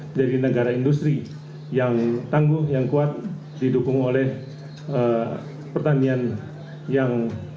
menjadi negara industri yang tangguh yang kuat didukung oleh pertanian yang